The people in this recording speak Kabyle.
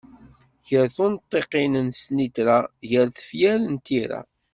Gar tunṭiqin n snitra, gar tefyar n tira.